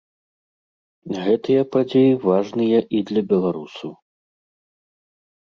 Гэтыя падзеі важныя і для беларусаў.